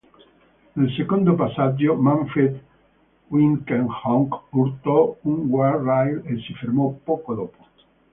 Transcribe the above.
Nel secondo passaggio Manfred Winkelhock urtò un guard rail e si fermò poco dopo.